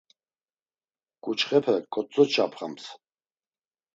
Ǩuçxepes ǩotzoç̌apxams.